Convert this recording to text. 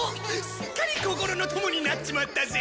すっかり心の友になっちまったぜ！